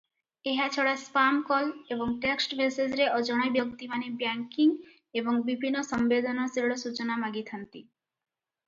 ଏହା ଛଡ଼ା ସ୍ପାମ କଲ ଏବଂ ଟେକ୍ସଟ ମେସେଜରେ ଅଜଣା ବ୍ୟକ୍ତିମାନେ ବ୍ୟାଙ୍କିଙ୍ଗ ଏବଂ ବିଭିନ୍ନ ସମ୍ବେଦନଶୀଳ ସୂଚନା ମାଗିଥାନ୍ତି ।